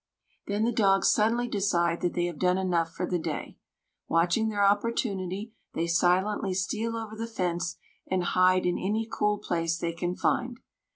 Then the dogs suddenly decide that they have done enough for the day. Watching their opportunity, they silently steal over the fence, and hide in any cool place they can find.